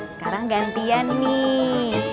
sekarang gantian nih